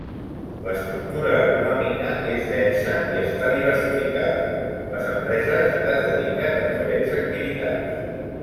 L'estructura econòmica és densa i està diversificada, les empreses es dediquen a diferents activitats.